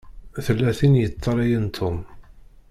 Tella tin i yeṭṭalayen Tom.